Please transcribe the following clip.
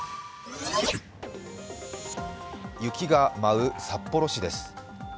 雪が舞う札幌市です。